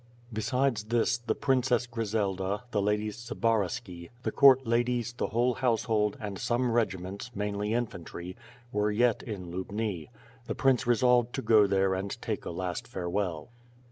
Besides this the Princess Grizelda, the ladies Sbaraski, the court ladies, the whole household, and some regiments, mainly infantry, were yet in Lubni. The prince resolved to go there and take a last farewell.